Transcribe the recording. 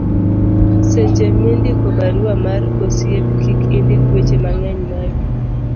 seche mindiko barua mar osiep kik indik weche mang'eny magi